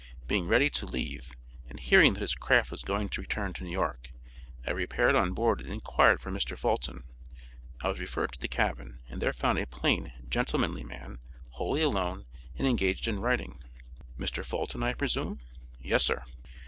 Being ready to leave, and hearing that his craft was going to return to New York, I repaired on board and inquired for Mr. Fulton. I was referred to the cabin, and there found a plain, gentlemanly man, wholly alone and engaged in writing. 'Mr. Fulton, I presume?' 'Yes sir.'